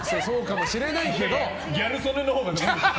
ギャル曽根のほうが多いでしょ。